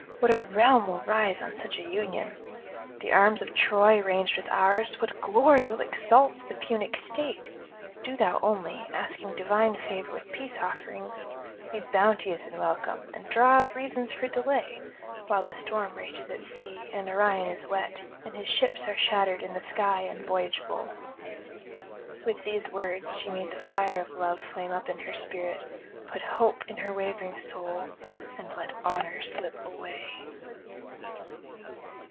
what a realm will rise on such a union! the arms of Troy ranged with ours, what glory will exalt the Punic state! Do thou only, asking divine favour with peace offerings, be bounteous in welcome and draw out reasons for delay, while the storm rages at sea and Orion is wet, and his ships are shattered and the sky unvoyageable.' With these words she made the fire of love flame up in her spirit, put hope in her wavering soul, and let honour slip away.